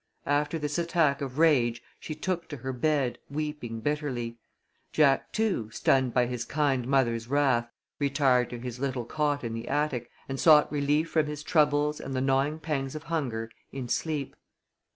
After this attack of rage she took to her bed, weeping bitterly. Jack too, stunned by his kind mother's wrath, retired to his little cot in the attic, and sought relief from his troubles and the gnawing pangs of hunger in sleep.